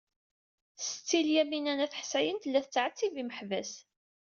Setti Lyamina n At Ḥsayen tella tettɛettib imeḥbas.